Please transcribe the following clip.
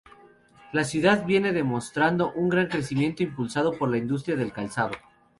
La ciudad viene demostrando un gran crecimiento impulsado por la industria del calzado.